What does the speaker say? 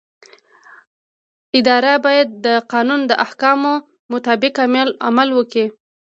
اداره باید د قانون د احکامو مطابق عمل وکړي.